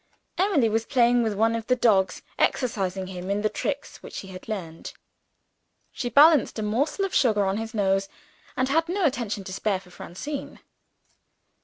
Emily was playing with one of the dogs; exercising him in the tricks which he had learned. She balanced a morsel of sugar on his nose and had no attention to spare for Francine.